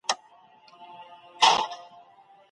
د عمران علم پوهه د ټولنې د پرمختګ لوړه څېړنه کوي.